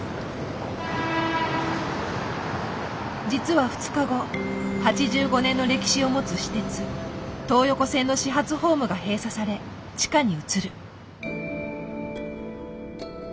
実は２日後８５年の歴史を持つ私鉄東横線の始発ホームが閉鎖され地下に移る。